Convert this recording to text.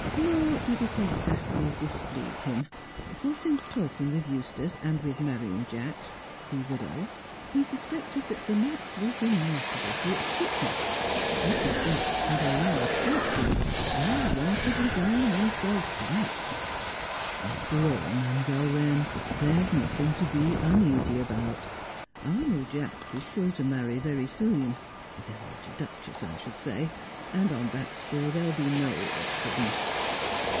Nor did it exactly displease him, for since talking with Eustace and with Marian Jacks (the widow), he suspected that the match was remarkable for its fitness. Mrs. Jacks had a large fortune well, one could resign oneself to that. "After all, Mam'zelle Wren, there's nothing to be uneasy about. Arnold Jacks is sure to marry very soon (a dowager duchess, I should say), and on that score there'll be no awkwardness.